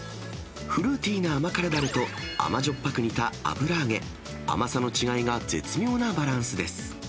フルーティーな甘辛だれと、甘じょっぱく煮た油揚げ、甘さの違いが絶妙なバランスです。